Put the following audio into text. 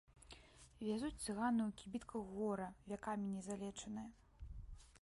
Вязуць цыганы ў кібітках гора, вякамі не залечанае.